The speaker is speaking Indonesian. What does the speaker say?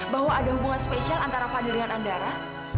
bahwa ada hubungan spesial antara fadil dengan andara